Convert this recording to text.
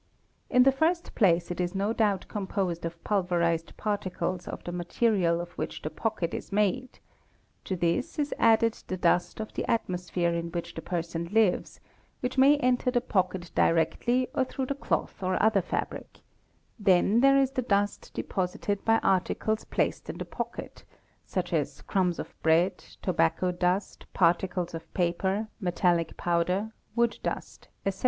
In the first place it is no doubt composed of pulverised particles of the material of which the pocket is made; to this is added the dust of the atmosphere in which the person lives, which may ' enter the pocket directly or through the cloth or other fabric; then | there is the dust deposited by articles placed in the pocket, such as | crumbs of bread, tobacco dust, particles of paper, metallic powder, wood 4 dust, etc.